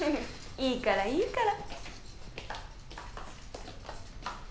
いいからいいから。